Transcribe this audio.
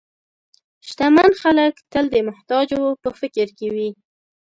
شتمن خلک تل د محتاجو په فکر کې وي.